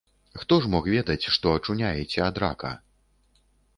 Хто ж мог ведаць, што ачуняеце ад рака.